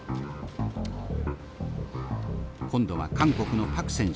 今度は韓国のパク選手。